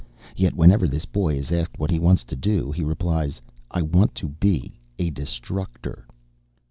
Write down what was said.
Yet, whenever this boy is asked what he wants to do, he replies, 'I want to be a Destructor.'"